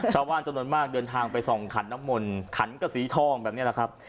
ชาวบ้านจตนมงดมากเดือนทางไปสองขันน้ำมลขันกำสีทองแบบเนี้ยแหละครับ